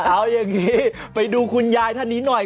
เอาอย่างนี้ไปดูคุณยายท่านนี้หน่อย